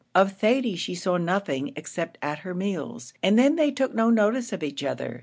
Of Thady she saw nothing, except at her meals, and then they took no notice of each other.